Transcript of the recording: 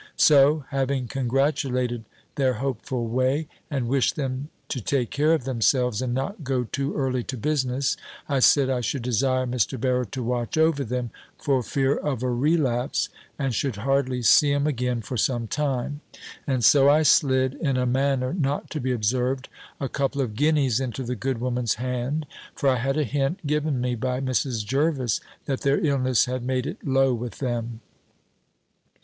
So, having congratulated their hopeful way, and wished them to take care of themselves, and not go too early to business, I said I should desire Mr. Barrow to watch over them, for fear of a relapse, and should hardly see 'em again for some time; and so I slid, in a manner not to be observed, a couple of guineas into the good woman's hand; for I had a hint given me by Mrs. Jervis, that their illness had made it low with them.